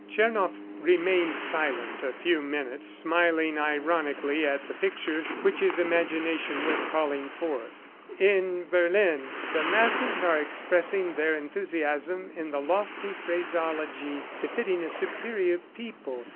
Tchernoff remained silent a few minutes, smiling ironically at the picture which his imagination was calling forth. "In Berlin, the masses are expressing their enthusiasm in the lofty phraseology befitting a superior people.